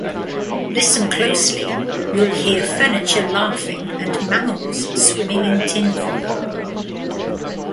Listen closely, you'll hear furniture laughing and mammals swimming in tinfoil.